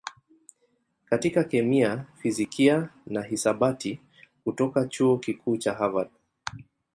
katika kemia, fizikia na hisabati kutoka Chuo Kikuu cha Harvard.